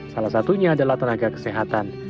salah satunya adalah tenaga kesehatan